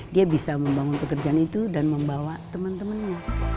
dia bisa membangun pekerjaan itu dan membawa teman temannya